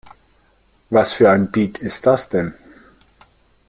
Was für ein Beat ist das denn?